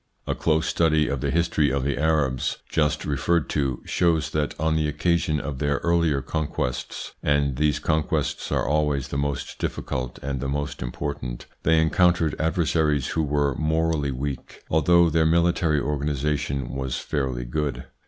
A close study of the history of the Arabs, just referred to, shows that on the occasion of their earlier conquests and these conquests are always the most difficult and the most important they encountered adversaries who were morally weak, although their military organisa tion was fairly good.